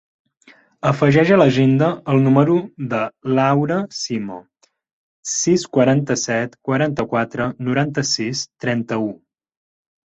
Afegeix a l'agenda el número de l'Aura Simo: sis, quaranta-set, quaranta-quatre, noranta-sis, trenta-u.